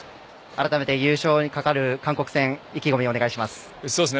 あらためて優勝にかかる韓国戦意気込みをお願いします。